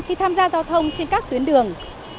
khi tham gia giao thông trên các tuyến đường